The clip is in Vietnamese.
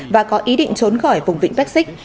và có ý định trốn khỏi vùng vịnh brexit